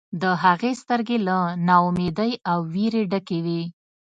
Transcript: د هغې سترګې له نا امیدۍ او ویرې ډکې وې